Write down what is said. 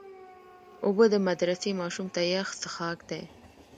اوبه د مدرسې ماشوم ته یخ څښاک دی.